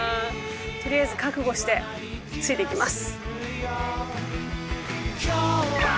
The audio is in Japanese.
とりあえず覚悟してついていきます。